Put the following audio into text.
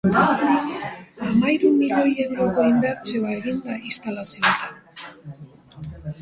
Hamahiru milioi euroko inbertsioa egin da instalazioetan.